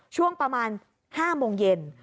ช่วงประมาณ๕โมงเย็น